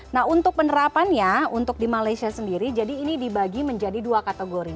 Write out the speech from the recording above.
nah untuk penerapannya untuk di malaysia sendiri jadi ini dibagi menjadi dua kategori